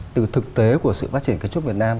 từ thực tế của sự phát triển kiến trúc việt nam